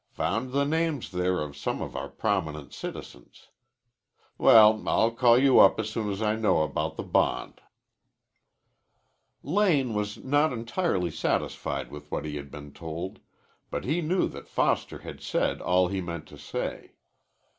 Found the names there of some of our prominent citizens. Well, I'll call you up as soon as I know about the bond." Lane was not entirely satisfied with what he had been told, but he knew that Foster had said all he meant to say.